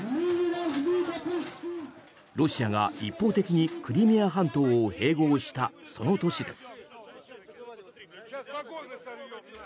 ロシアが一方的にクリミア半島を併合したその年です。